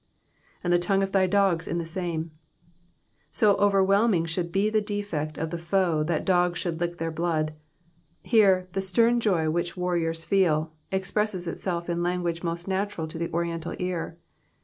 *'*^And the tongue of thy aogs in the aame,''^ So overwhelming should be the defeat of the foe that dogs should lick their blood. Here *' the stern joy which "warriors feel " expresses itself in language most natural to the oriental ear.